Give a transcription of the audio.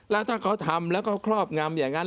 แล้วถ้าเขาทำแล้วก็ครอบงำอย่างนั้น